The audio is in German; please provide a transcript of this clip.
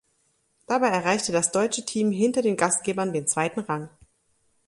Dabei erreichte das deutsche Team hinter den Gastgebern den zweiten Rang.